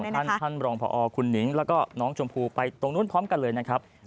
ท่านรองพอคุณหนิงแล้วก็น้องชมพู่ไปตรงนู้นพร้อมกันเลยนะครับ